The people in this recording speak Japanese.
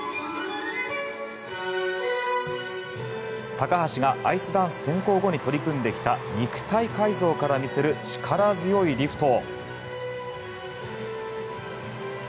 高橋がアイスダンス転向後に取り組んできた肉体改造から魅せる力強いリフト。